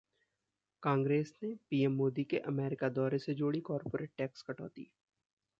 कांग्रेस ने पीएम मोदी के अमेरिका दौरे से जोड़ी कॉरपोरेट टैक्स कटौती